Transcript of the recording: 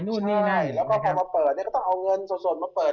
แล้วพอมาเปิดต้องเอาเงินส่วนไปเปิด